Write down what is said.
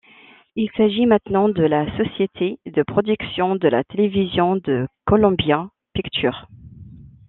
Il s'agit maintenant de la société de production de télévision de Columbia Pictures.